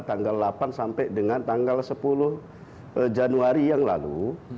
tanggal delapan sampai dengan tanggal sepuluh januari yang lalu